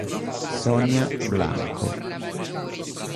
Sonia Blanco